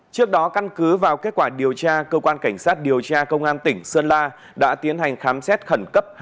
trước đó căn cứ vào kết quả điều tra cơ quan cảnh sát điều tra công an tỉnh sơn la đã tiến hành khám xét khẩn cấp